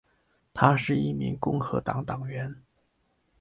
她是一名共和党党员。